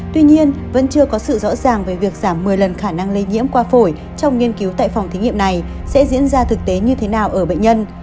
tuy nhiên vẫn chưa có sự rõ ràng về việc giảm một mươi lần khả năng lây nhiễm qua phổi trong nghiên cứu tại phòng thí nghiệm này sẽ diễn ra thực tế như thế nào ở bệnh nhân